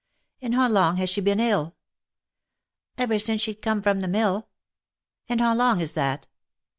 " And how long has she been ill V " Ever since she com'd from the mill." " And how long is that?"